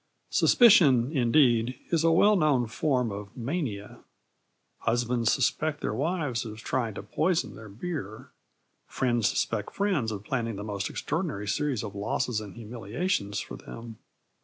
Suspicion, indeed, is a well known form of mania. Husbands suspect their wives of trying to poison their beer; friends suspect friends of planning the most extraordinary series of losses and humiliations for them.